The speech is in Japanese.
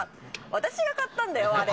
私が買ったんだよ、あれ。